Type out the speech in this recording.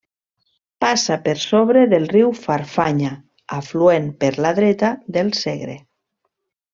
Passa per sobre del riu Farfanya, afluent per la dreta del Segre.